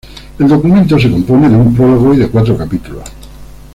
El documento se compone de un prólogo y de cuatro capítulos.